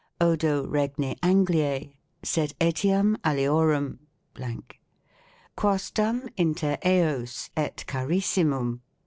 odo Regni Anglie ; sed etiam aliorum ...... quasdam inter eos et Carissimum